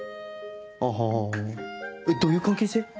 あぁどういう関係性？